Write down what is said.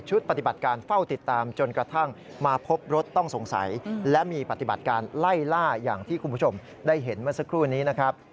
ปฏิบัติการเฝ้าติดตามจนกระทั่งมาพบรถต้องสงสัยและมีปฏิบัติการไล่ล่าอย่างที่คุณผู้ชมได้เห็นเมื่อสักครู่นี้นะครับ